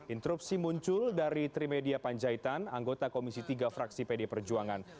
interupsi muncul dari trimedia panjaitan anggota komisi tiga fraksi pd perjuangan